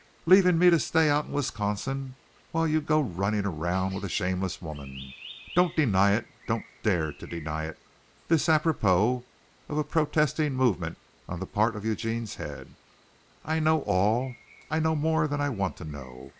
"Leaving me to stay out in Wisconsin while you go running around with a shameless woman. Don't deny it! Don't dare to deny it!" this apropos of a protesting movement on the part of Eugene's head "I know all! I know more than I want to know.